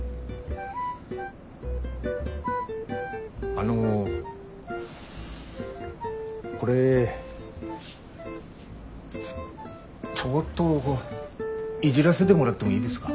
あのこれちょこっといじらせでもらってもいいですか？